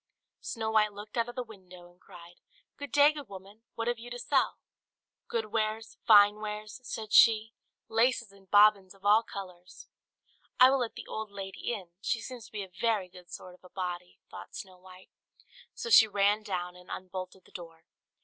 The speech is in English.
Snow White looked out of the window, and cried, "Good day, good woman; what have you to sell?" "Good wares, fine wares," said she; "laces and bobbins of all colours." "I will let the old lady in; she seems to be a very good sort of a body," thought Snow White; so she ran down, and unbolted the door.